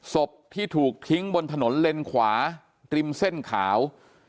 ศพที่ถูกทิ้งบนถนนเลนขวาริมเส้นขาว